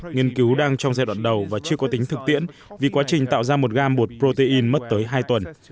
nghiên cứu đang trong giai đoạn đầu và chưa có tính thực tiễn vì quá trình tạo ra một gam bột protein mất tới hai tuần